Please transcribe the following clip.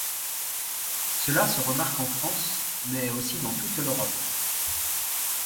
Cela se remarque en France, mais aussi dans toute l'Europe.